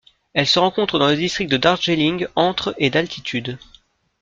Elle se rencontre dans le district de Darjeeling entre et d'altitude.